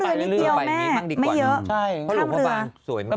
ที่ที่เรือนิกเกียวแม่ไม่เยอะข้ามเรือหลงประวังสวยมาก